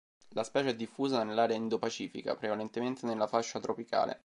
La specie è diffusa nell'area indo-pacifica, prevalentemente nella fascia tropicale.